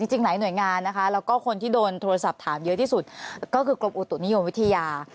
จริงหลายหน่วยงานนะคะแล้วก็คนที่โดนโทรศัพท์ถามเยอะที่สุดก็คือกรมอุตุนิยมวิทยา